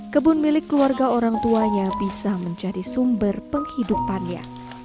kebun milik keluarga orang tuanya bisa menjadi sumber penghidupannya